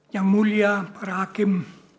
yang mulia para hakim